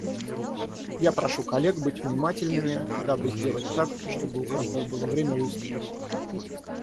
Я прошу коллег быть внимательными, дабы сделать так, чтобы у каждого было время выступить.